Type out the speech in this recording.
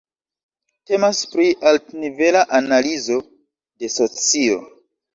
Temas pri altnivela analizo de socio.